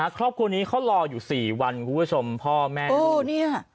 ครอบครัวนี้เขารออยู่๔วันคุณผู้ชมพ่อแม่ลูกเนี่ย